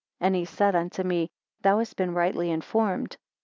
19 And he said unto me, Thou hast been rightly informed.